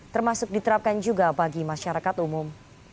termasuk diterapkan juga bagi masyarakat umum